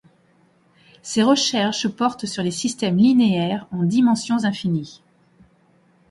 Ses recherches portent sur les systèmes linéaires en dimensions infinies.